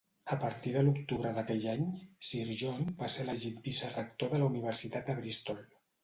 A partir de l'octubre d'aquell any, Sir John va ser elegit vicerector de la Universitat de Bristol.